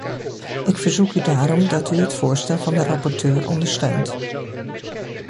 Ik verzoek u daarom dat u het voorstel van de rapporteur ondersteunt.